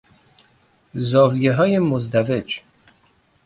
زاویههای مزدوج